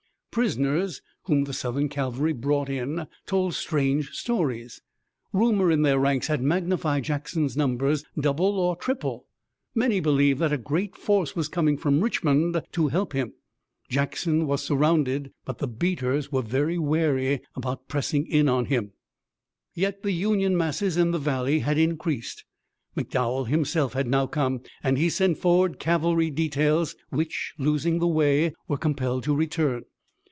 Prisoners whom the Southern cavalry brought in told strange stories. Rumor in their ranks had magnified Jackson's numbers double or triple. Many believed that a great force was coming from Richmond to help him. Jackson was surrounded, but the beaters were very wary about pressing in on him. Yet the Union masses in the valley had increased. McDowell himself had now come, and he sent forward cavalry details which, losing the way, were compelled to return.